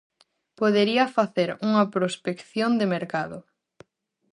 Podería facer unha prospección de mercado.